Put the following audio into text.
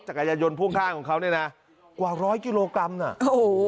กายนพ่วงข้างของเขาเนี่ยนะกว่าร้อยกิโลกรัมน่ะโอ้โห